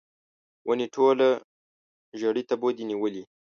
ونې ټوله ژړۍ تبو دي نیولې